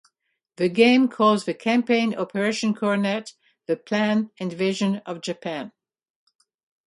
The game calls the campaign Operation Coronet, the planned invasion of Japan.